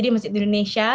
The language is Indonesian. masjid di indonesia